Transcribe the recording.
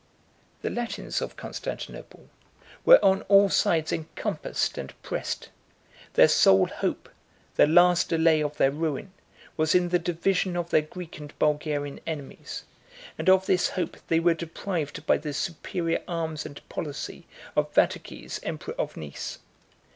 ] The Latins of Constantinople 55 were on all sides encompassed and pressed; their sole hope, the last delay of their ruin, was in the division of their Greek and Bulgarian enemies; and of this hope they were deprived by the superior arms and policy of Vataces, emperor of Nice.